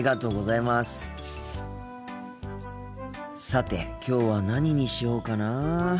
さてきょうは何にしようかなあ。